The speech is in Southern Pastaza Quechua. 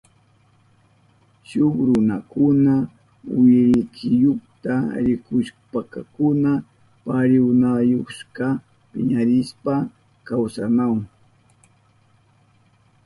Shuk runakuna kullkiyuta rikushpankuna parihuyanayashpa piñarishpa kawsanahun.